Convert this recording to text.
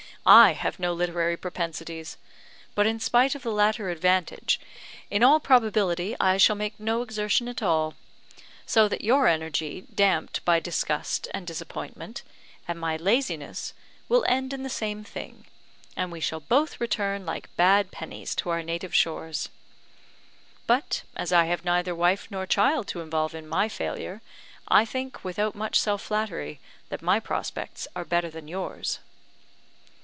I have no literary propensities; but in spite of the latter advantage, in all probability I shall make no exertion at all; so that your energy, damped by disgust and disappointment, and my laziness, will end in the same thing, and we shall both return like bad pennies to our native shores. But, as I have neither wife nor child to involve in my failure, I think, without much self flattery, that my prospects are better than yours."